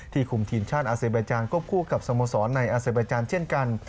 ที่คุมทีมชาติอาเซเบจารย์ควบคู่กับสมสรรค์ในอาเซเบจารย์เช่นกัน